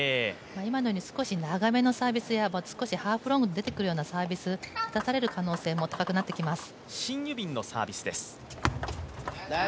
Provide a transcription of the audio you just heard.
今のように長めのサービスやハーフロングに出てくるサービス出される可能性も高くなってきます。